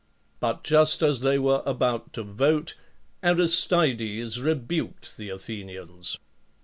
But just as they were about to vote, Aristides rebuked the Athenians.